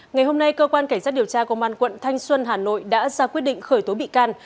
ngày hôm nay cơ quan cảnh sát điều tra công an quận thanh xuân hà nội đã ra quyết định khởi tố bị can